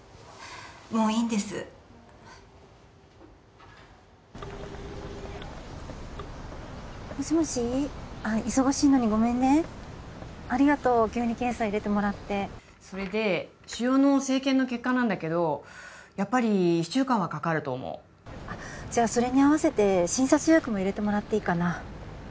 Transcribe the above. もういいんですもしもしあっ忙しいのにごめんねありがとう急に検査入れてもらってそれで腫瘍の生検の結果なんだけどやっぱり一週間はかかると思うじゃそれに合わせて診察予約も入れてもらっていいかな？